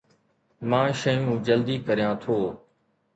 مان شيون جلدي ڪريان ٿو